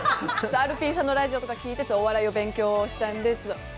あるピーさんのラジオとか聞いてお笑い勉強したので。